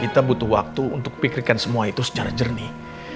kita butuh waktu untuk pikirkan semua itu secara jernih